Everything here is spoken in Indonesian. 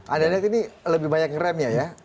anda lihat ini lebih banyak ngerem ya ya